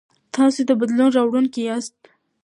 تاسو د بدلون راوړونکي یاست.